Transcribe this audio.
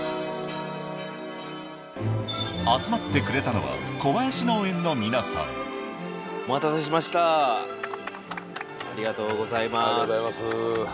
集まってくれたのはお待たせしましたありがとうございますありがとうございます